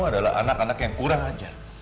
adalah anak anak yang kurang ajar